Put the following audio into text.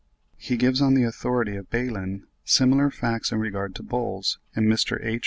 He gives, on the authority of Baelen, similar facts in regard to bulls; and Mr. H.